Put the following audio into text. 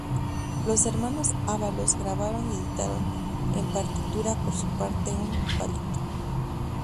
Los Hermanos Ábalos grabaron y editaron en partitura, por su parte, un "palito".